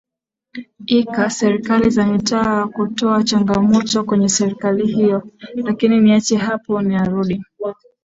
ika serikali za mitaa kutoa changamoto kwenye serikali hiyo lakini niache hapo narudi